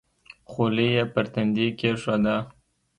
خولۍ یې پر تندي کېښوده.